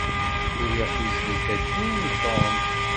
Uriɣ tizlit-agi i Tom.